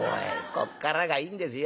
「こっからがいいんですよ。